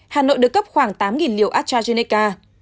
hà nội được cấp khoảng tám liều astrazeneca